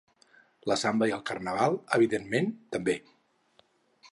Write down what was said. La samba i el carnaval, evidentment, també.